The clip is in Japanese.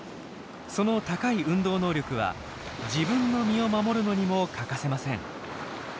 その高い運動能力は自分の身を守るのにも欠かせません。